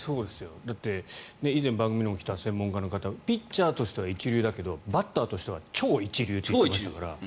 だって以前番組にも来た専門家の方ピッチャーとして一流だけどバッターとしては超一流って言ってましたから。